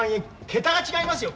桁が違いますよ！